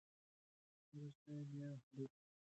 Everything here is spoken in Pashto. وروسته یې بیا هډوکي راوباسي.